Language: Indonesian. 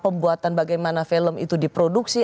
pembuatan bagaimana film itu diproduksi